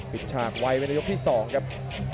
อีกฉากวัยวันยกที่สองครับ